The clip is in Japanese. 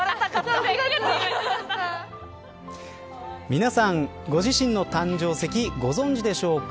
皆さん、ご自身の誕生石ご存じでしょうか。